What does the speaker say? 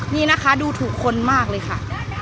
นี่นะคะดูถูกคนมากเลยค่ะ